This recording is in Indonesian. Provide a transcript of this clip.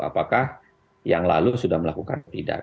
apakah yang lalu sudah melakukan atau tidak